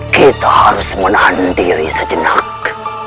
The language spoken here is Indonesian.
kita harus menahan diri sejenak